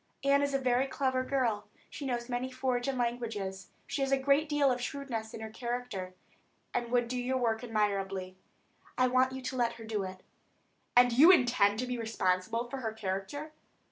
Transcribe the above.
Annie is a very clever girl; she knows many foreign languages, she has a great deal of shrewdness in her character, and would do your work admirably. I want you to let her do it." "And you intend to be responsible for her character?"